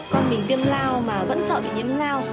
con mình viêm lao mà vẫn sợ bị nhiễm lao